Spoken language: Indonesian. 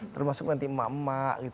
termasuk nanti emak emak